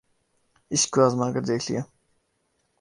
عشق کو آزما کے دیکھ لیا